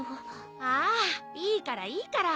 ああいいからいいから。